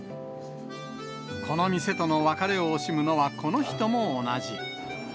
この店との別れを惜しむのは、この人も同じ。